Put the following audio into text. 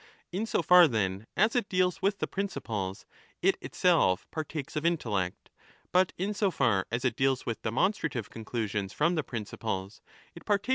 In so far, then, as it deals with the principles, it itself partakes of intellect, but in so far as it deals with demonstrative conclusions from the principles, it partakes 3 13 = E.